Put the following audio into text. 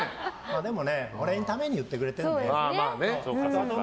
でも、俺のために言ってくれてるからね。